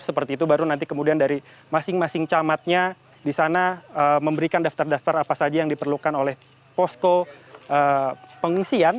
seperti itu baru nanti kemudian dari masing masing camatnya di sana memberikan daftar daftar apa saja yang diperlukan oleh posko pengungsian